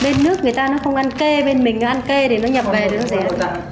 bên nước người ta nó không ăn cây bên mình nó ăn cây thì nó nhập về thì nó rẻ